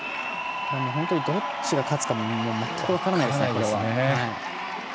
どっちが勝つか全く分からないですね。